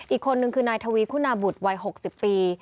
อีกคนนึงคือนายทวีคุณาบุตรวัย๖๐ปี